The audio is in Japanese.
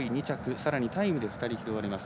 さらにタイムで２人拾われます。